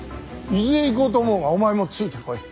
伊豆へ行こうと思うがお前もついてこい。